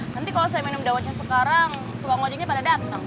nanti kalau saya minum dawetnya sekarang tukang ojeknya pada datang